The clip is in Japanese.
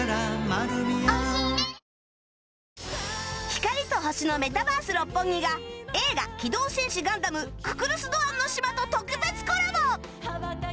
光と星のメタバース六本木が映画『機動戦士ガンダムククルス・ドアンの島』と特別コラボ